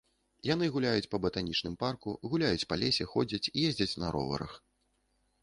Яны гуляюць па батанічным парку, гуляюць па лесе, ходзяць, ездзяць на роварах.